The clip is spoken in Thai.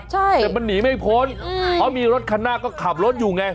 ใช่แต่มันหนีไม่พ้นเพราะมีรถคันหน้าก็ขับรถอยู่ไง